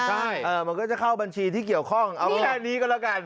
ใช่มันก็จะเข้าบัญชีที่เกี่ยวข้องเอาแค่นี้ก็แล้วกัน